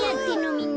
みんな。